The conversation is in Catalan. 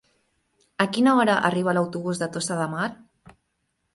A quina hora arriba l'autobús de Tossa de Mar?